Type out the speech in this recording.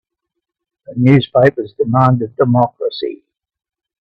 The newspapers demanded democracy.